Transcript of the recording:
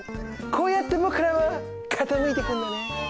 こうやって僕らは傾いていくんだね。